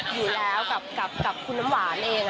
อยู่แล้วกับคุณน้ำหวานเอง